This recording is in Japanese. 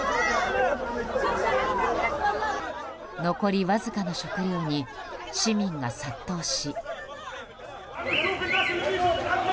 残りわずかの食料に市民が殺到し。